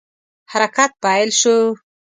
حرکت پیل شو.